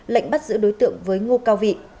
lệnh bắt giữ đối tượng với ngô cao vị